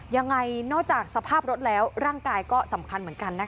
ยังไงนอกจากสภาพรถแล้วร่างกายก็สำคัญเหมือนกันนะคะ